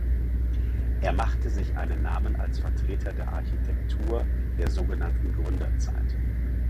Er machte sich einen Namen als Vertreter der Architektur der so genannten Gründerzeit.